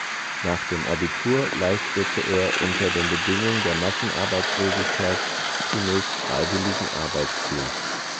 Nach dem Abitur leistete er unter den Bedingungen der Massenarbeitslosigkeit zunächst freiwilligen Arbeitsdienst.